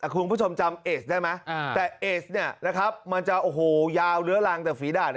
คุณผู้ชมจำเอจได้ไหมแต่เอจมันจะยาวเรื้อรางแต่ฝีดาตร